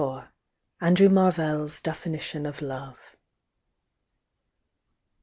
331 ) ANDREW MARVELL'S "DEFINITION OF LOVE."